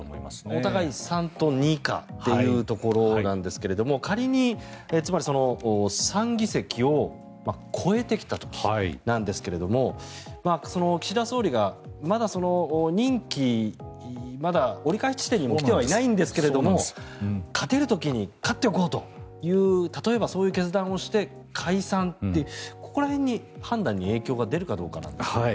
お互い３と２以下というところなんですがつまり、仮に３議席を超えてきた時なんですけども岸田総理がまだ任期は折り返し地点に来てはいないんですが勝てる時に勝っておこうという例えばそういう決断をして解散という、ここら辺に判断に影響が出るかなんですが。